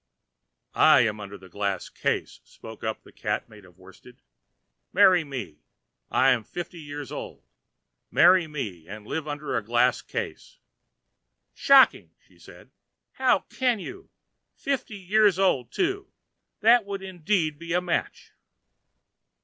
"I am under a glass case," spoke up the Cat made of worsted. "Marry me. I am fifty years old. Marry me, and live under a glass case." "Shocking!" said she. "How can you? Fifty years old, too! That would indeed be a match!"